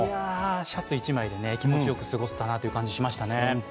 シャツ１枚で気持ちよく過ごせたなという感じしましたね。